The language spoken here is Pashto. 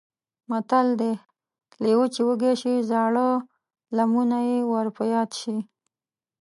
متل دی: لېوه چې وږی شي زاړه لمونه یې ور په یاد شي.